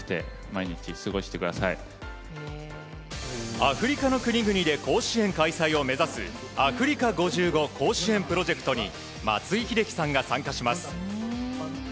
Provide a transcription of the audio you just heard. アフリカの国々で甲子園開催を目指すアフリカ５５甲子園プロジェクトに松井秀喜さんが参加します。